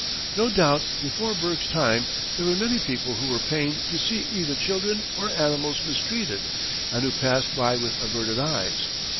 No doubt before Bergh's time, there were many people who were pained to see either children or animals mistreated and who passed by with averted eyes.